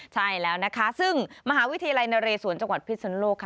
ใช่แล้วนะคะซึ่งมหาวิทยาลัยนเรศวรจังหวัดพิศนุโลกค่ะ